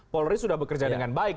polri sudah bekerja dengan baik